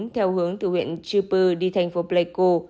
theo hướng từ huyện chư pư đi thành phố pleiku